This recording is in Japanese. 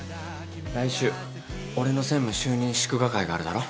来週俺の専務就任祝賀会があるだろ。